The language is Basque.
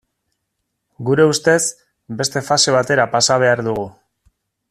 Gure ustez, beste fase batera pasa behar dugu.